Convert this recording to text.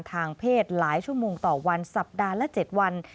ทางเพศหลายชั่วโมงต่อวันสัปดาห์ละ๗วัน